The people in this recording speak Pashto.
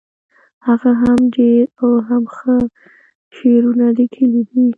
هغه هم ډیر او هم ښه شعرونه لیکلي دي